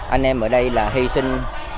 anh em ở đây là hy sinh